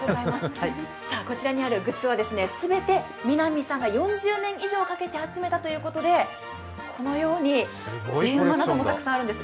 こちらにあるグッズは全て南さんが４０年以上かけて集めたということでこのように電話などもたくさんあるんです。